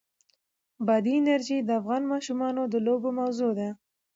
بادي انرژي د افغان ماشومانو د لوبو موضوع ده.